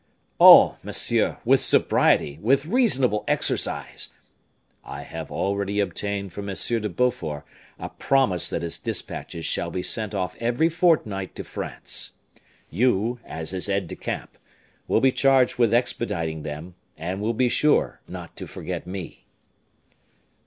"Oh, monsieur! with sobriety, with reasonable exercise " "I have already obtained from M. de Beaufort a promise that his dispatches shall be sent off every fortnight to France. You, as his aide de camp, will be charged with expediting them, and will be sure not to forget me."